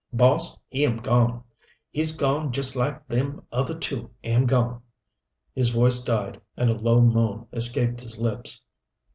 "Boss, he am gone. He's gone just like them other two am gone." His voice died and a low moan escaped his lips.